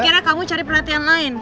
akhirnya kamu cari perhatian lain